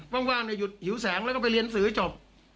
ว่างหยุดหิวแสงแล้วก็ไปเรียนหนังสือให้จบ